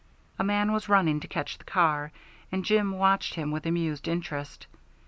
A man was running to catch the car, and Jim watched him with amused interest.